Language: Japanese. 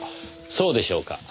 そうでしょうか？